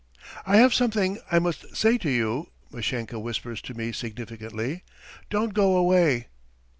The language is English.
"I have something I must say to you!" Mashenka whispers to me significantly, "don't go away!"